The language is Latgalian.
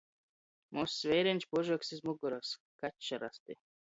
Mozs veireņš, požogs iz mugorys. Kačs ar asti.